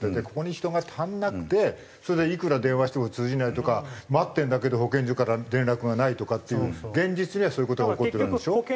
ここに人が足りなくてそれでいくら電話しても通じないとか待ってるんだけど保健所から連絡がないとかっていう現実にはそういう事が起こってるんでしょ？